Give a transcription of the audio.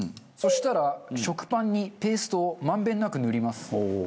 そしたら食パンにペーストを満遍なく塗ります。